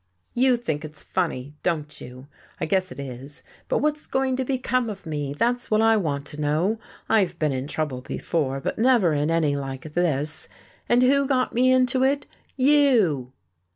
"You think it's funny, don't you? I guess it is, but what's going to become of me? That's what I want to know. I've been in trouble before, but never in any like this. And who got me into it? You!"